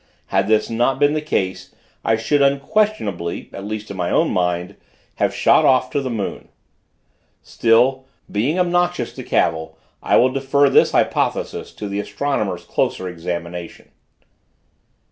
Had this not been the case, I should, unquestionably, at least in my own mind, have shot off to the moon. Still, being obnoxious to cavil, I will defer this hypothesis to the astronomer's closer examination.